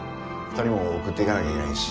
２人も送っていかなきゃいけないし。